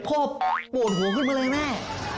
โฆษ์โปรดหัวขึ้นมาเลยแม่